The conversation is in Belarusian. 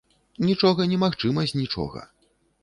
Нічога немагчыма з нічога.